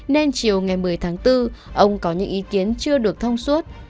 nên chiều ngày một mươi tháng bốn ông có những ý kiến chưa được thông suốt